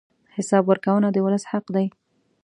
حساب ورکونه د ولس حق دی.